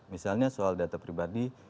misalnya soal data pribadi